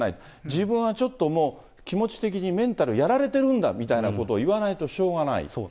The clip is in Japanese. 自分はちょっともう、気持ち的にメンタルやられてるんだみたいなことを言わないとしょうがない。